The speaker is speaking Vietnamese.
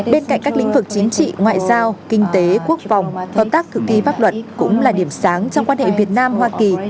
bên cạnh các lĩnh vực chính trị ngoại giao kinh tế quốc phòng hợp tác thực thi pháp luật cũng là điểm sáng trong quan hệ việt nam hoa kỳ